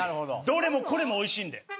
どれもこれも美味しいんで。